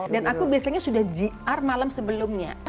dan aku biasanya sudah gr malam sebelumnya